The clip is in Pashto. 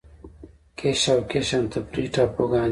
کیش او قشم تفریحي ټاپوګان دي.